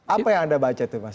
apa yang anda baca itu mas